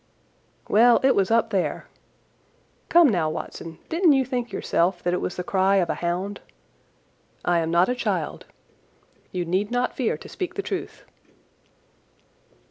"Well, it was up there. Come now, Watson, didn't you think yourself that it was the cry of a hound? I am not a child. You need not fear to speak the truth."